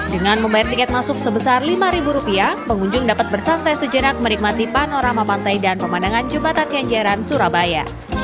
dengan membayar tiket masuk sebesar lima rupiah pengunjung dapat bersantai sejenak menikmati panorama pantai dan pemandangan jembatan kenjeran surabaya